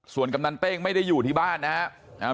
ส่วนกำนันเต้งไม่ได้อยู่ที่บ้านนะครับ